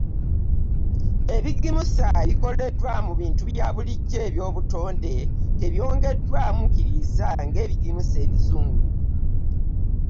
Ebigimusa ebikoleddwa mu bintu bya bulijjo eby’obutonde tebyongeddwamukiriisa ng’ebigimusa ebizungu.